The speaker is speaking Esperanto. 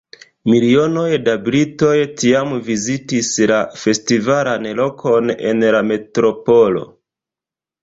Milionoj da britoj tiam vizitis la festivalan lokon en la metropolo.